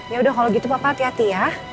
ya udah kalau gitu papa hati hati ya